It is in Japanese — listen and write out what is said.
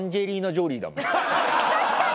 確かに！